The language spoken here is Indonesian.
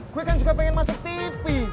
gue kan juga pengen masuk tv